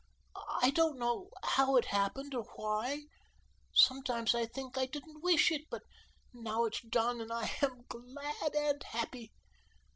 I don't know how it happened or why. Sometimes I think I didn't wish it, but now it's done, and I am glad and happy.